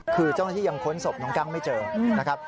คือเจ้าหน้าที่ยังค้นศพน้องกั้งไม่เจอนะครับ